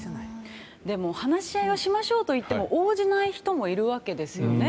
でも、話し合いをしましょうといっても応じない人もいるわけですよね。